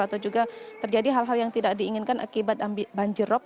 atau juga terjadi hal hal yang tidak diinginkan akibat banjir rop yang terjadi